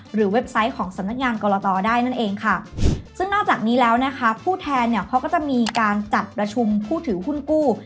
เว็บไซต์ของสำนักงานกรตอได้นั่นเองค่ะซึ่งนอกจากนี้แล้วนะคะผู้แทนเนี่ยเขาก็จะมีการจัดประชุมผู้ถือหุ้นกู้